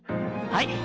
はい！